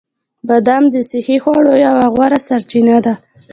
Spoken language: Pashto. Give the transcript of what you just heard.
بادام د صحي خوړو یوه غوره سرچینه ده.